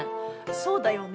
そうだよね！